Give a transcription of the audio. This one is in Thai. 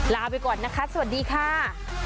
ลาไปก่อนนะคะสวัสดีค่ะ